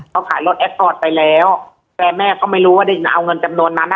เขาขายรถแอคปอร์ตไปแล้วแต่แม่ก็ไม่รู้ว่าได้เอาเงินจำนวนนั้นอ่ะ